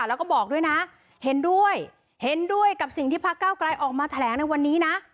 แล้วก็บอกด้วยนะเห็นด้วยเห็นด้วยกับสิ่งที่พระเก้าไกลออกมาแถลงในวันนี้นะ